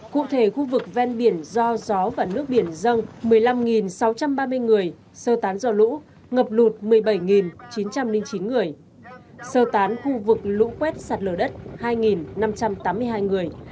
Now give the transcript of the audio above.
cụ thể khu vực ven biển do gió và nước biển dâng một mươi năm sáu trăm ba mươi người sơ tán do lũ ngập lụt một mươi bảy chín trăm linh chín người sơ tán khu vực lũ quét sạt lở đất hai năm trăm tám mươi hai người